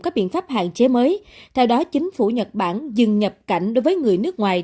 có biện pháp hạn chế mới theo đó chính phủ nhật bản dừng nhập cảnh đối với người nước ngoài